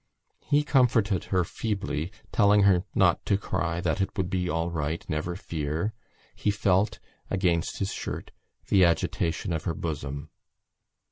He comforted her feebly, telling her not to cry, that it would be all right, never fear. He felt against his shirt the agitation of her bosom.